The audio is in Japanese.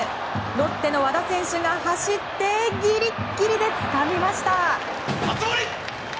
ロッテの和田選手が走ってギリギリでつかみました。